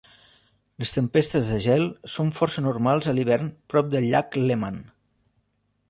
Les tempestes de gel són força normals a l'hivern prop del llac Léman.